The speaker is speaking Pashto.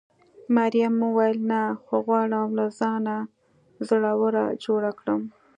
مريم وویل: نه، خو غواړم له ځانه زړوره جوړه کړم.